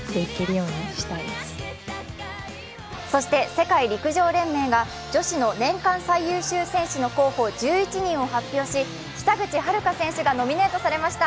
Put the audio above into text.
世界陸上連盟が女子の年間最優秀選手候補１１人を発表し、北口榛花選手がノミネートされました。